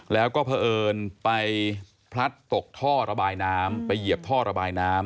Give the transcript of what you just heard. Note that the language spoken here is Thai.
แล้วก็เผอิญไปพลัดตกท่อระบายน้ำไปเหยียบท่อระบายน้ำ